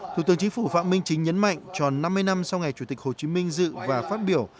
thủ tướng chính phủ phạm minh chính nhấn mạnh tròn năm mươi năm sau ngày chủ tịch hồ chí minh dự và phát biểu